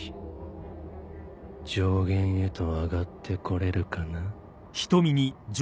上弦へと上がってこれるかな？